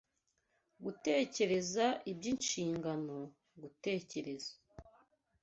Gutekereza iby’inshingano, gutekereza